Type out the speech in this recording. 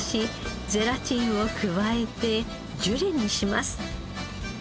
ゼラチンを加えてジュレにします。